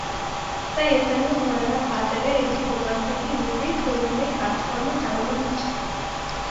তাই স্থানীয় ভোরাঘাট বাজারের একটি দোকান থেকে ইউপির দৈনন্দিন কাজকর্ম চালানো হচ্ছে।